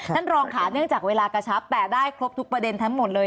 ท่านรองค่ะเนื่องจากเวลากระชับแต่ได้ครบทุกประเด็นทั้งหมดเลย